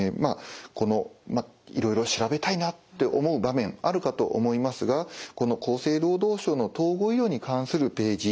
いろいろ調べたいなって思う場面あるかと思いますがこの厚生労働省の統合医療に関するページ